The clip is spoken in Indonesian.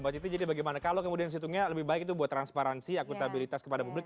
mbak citi jadi bagaimana kalau kemudian situngnya lebih baik itu buat transparansi akuntabilitas kepada publik